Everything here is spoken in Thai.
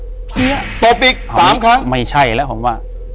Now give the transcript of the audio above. อยู่ที่แม่ศรีวิรัยิลครับ